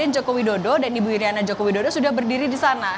joko widodo dan ibu iryana joko widodo sudah berdiri di sana